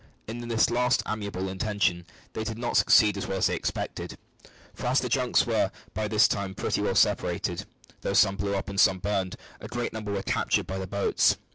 In this last amiable intention they did not succeed as well as they expected, for as the junks were by this time pretty well separated, though some blew up and some burned, a great number were captured by the boats.